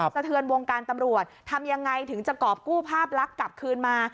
สะเทือนวงการตำรวจทำยังไงถึงจะกรอบกู้ภาพลักษณ์กลับคืนมา